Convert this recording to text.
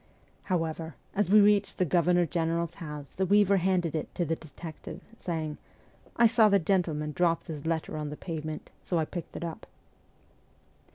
However, as we reached the Governor General's house the weaver handed it to the detective, saying, ' I saw the gentleman drop this letter on the pavement, so I picked it up.'